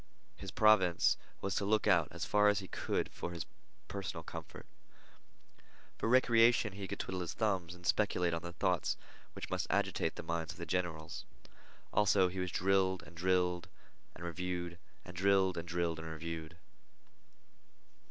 His province was to look out, as far as he could, for his personal comfort. For recreation he could twiddle his thumbs and speculate on the thoughts which must agitate the minds of the generals. Also, he was drilled and drilled and reviewed, and drilled and drilled and reviewed.